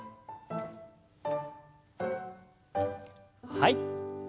はい。